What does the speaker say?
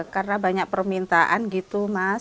karena banyak permintaan gitu mas